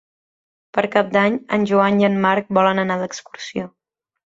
Per Cap d'Any en Joan i en Marc volen anar d'excursió.